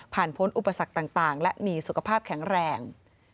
พ้นอุปสรรคต่างและมีสุขภาพแข็งแรง